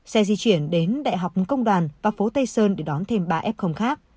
xe di chuyển đến đại học công đoàn và phố tây sơn để đón thêm ba f khác